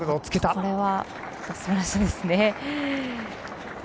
これはすばらしいですね。